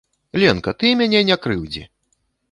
Ленка, ты мяне не крыўдзі!